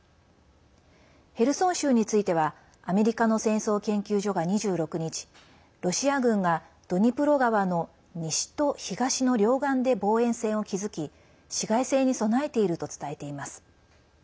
ヘルソン州についてはアメリカの戦争研究所が２６日ロシア軍が、ドニプロ川の西と東の両岸で防衛線を築き市街戦に備えていると伝えています。